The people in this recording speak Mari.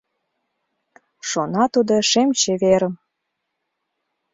Шона тудо шем чеверым